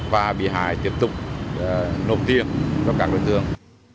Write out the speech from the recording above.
và bị hại tiếp tục nộp tiền cho các đối tượng